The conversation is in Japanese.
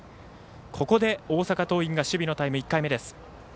ここで大阪桐蔭が守備のタイム１回目です。